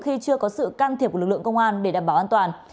khi chưa có sự can thiệp của lực lượng công an để đảm bảo an toàn